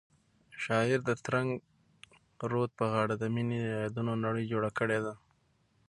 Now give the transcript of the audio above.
شاعر د ترنګ رود په غاړه د مینې د یادونو نړۍ جوړه کړې ده.